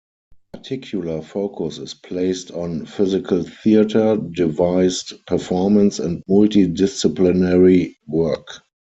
Particular focus is placed on physical theatre, devised performance, and multi-disciplinary work.